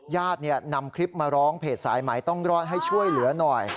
ญาตินำคลิปมาร้องเพจสายไหมต้องรอดให้ช่วยเหลือหน่อย